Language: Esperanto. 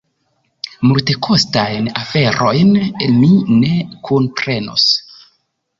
Multekostajn aferojn mi ne kunprenos.